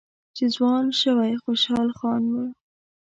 چې ځوان شوی خوشحال خان و